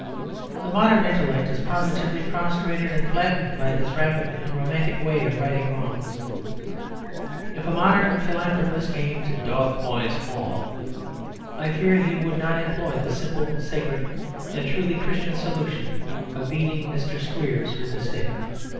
The modern intellect is positively prostrated and flattened by this rapid and romantic way of righting wrongs. If a modern philanthropist came to Dotheboys Hall I fear he would not employ the simple, sacred, and truly Christian solution of beating Mr. Squeers with a stick.